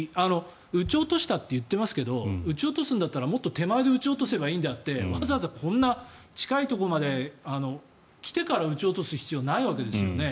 撃ち落としたと言ってますが撃ち落とすならもっと手前で撃ち落とせばいいのであってわざわざこんな近いところまで来てから撃ち落とす必要はないわけですよね。